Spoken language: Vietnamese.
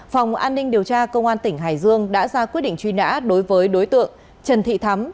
phòng cảnh sát điều tra tội phạm về ma túy công an tỉnh hải dương đã ra quyết định truy nã đối với đối tượng trần thị thắm